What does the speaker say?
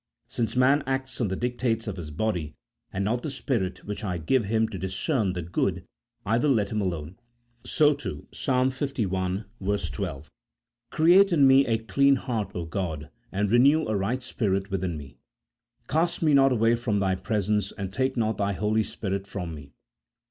since man acts on the dictates of his body, and not the spirit which I gave him to discern the good, I will let him alone. So, too, Ps. Ii. 12 :" Create in me a clean heart, God, and renew a right spirit within me ; cast me not away from Thy presence, and take not Thy Holy Spirit from me."